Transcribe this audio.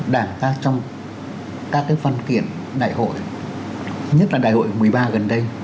đảng ta trong các phân kiện đại hội nhất là đại hội một mươi ba gần đây